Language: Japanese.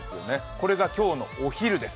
これが今日のお昼です。